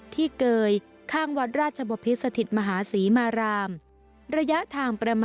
ที่เกยข้างวัดราชจบพิสถิตมหาศรีมหาศรีมหาราม